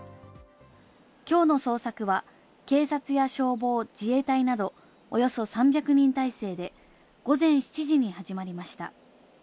きょうの捜索は、警察や消防、自衛隊などおよそ３００人態勢で午前７時に始まりました。